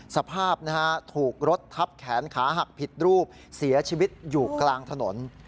สภาพถูกรถทับแขนขาหักผิดรูปเสียชีวิตอยู่กลางถนน